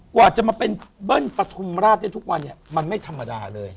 กว่าจะมาเป็นเบิ้ลปฐุมราชได้ทุกวันเนี่ยมันไม่ธรรมดาเลย